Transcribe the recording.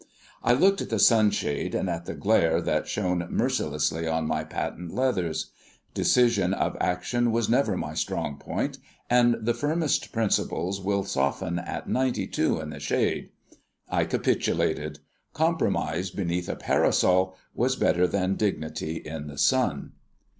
I looked at the sunshade and at the glare that shone mercilessly on my patent leathers. Decision of action was never my strong point, and the firmest principles will soften at ninety two in the shade. I capitulated. Compromise beneath a parasol was better than dignity in the sun.